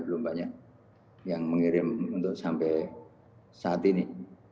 belum banyak yang mengirim untuk sampai saat ini